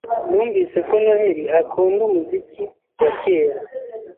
Numvise ko Noheri akunda umuziki wa kera.